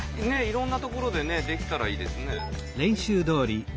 いろんなところでできたらいいですね。